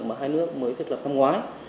mà hai nước mới thiết lập năm ngoái